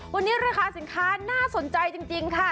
วันนี้ราคาสินค้าน่าสนใจจริงค่ะ